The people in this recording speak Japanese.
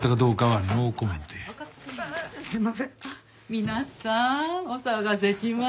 皆さんお騒がせしました。